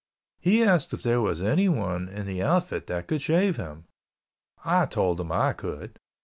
He asked if there was anyone in the outfit that could shave him. I told him I could.